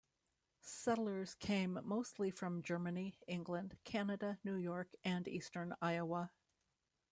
Settlers came mostly from Germany, England, Canada, New York, and eastern Iowa.